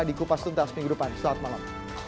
di kupas tuntas minggu depan selamat malam